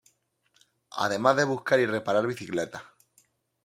Además de buscar y reparar bicicletas.